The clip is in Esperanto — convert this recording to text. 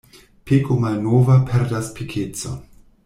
Peko malnova perdas pekecon.